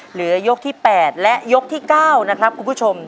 ยกที่๘และยกที่๙นะครับคุณผู้ชม